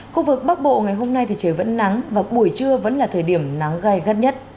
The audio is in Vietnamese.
khu vực bắc bộ ngày hôm nay thì trời vẫn nắng và buổi trưa vẫn là thời điểm nắng gai gắt nhất